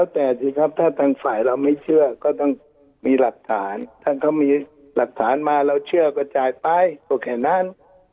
ถ้าเขามีหลักฐานมาแล้วเชื่อก็จ่ายไปโอเคนั้น